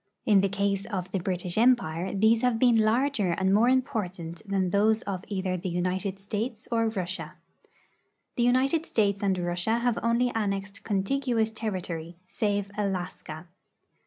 In the case of the British empire, these have been larger and more important than those of either the United States or Russia. The United States and Russia have only annexed contiguous territory, save Alaska.